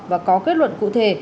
và có kết luận cụ thể